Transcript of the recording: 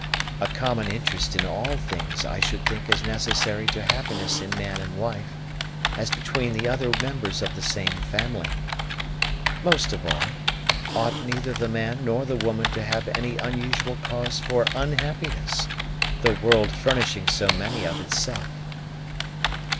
A common interest in all things I should think as necessary to happiness in man and wife, as between the other members of the same family. Most of all, ought neither the man nor the woman to have any unusual cause for unhappiness, the world furnishing so many of itself."